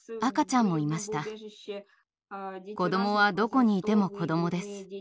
子どもはどこにいても子どもです。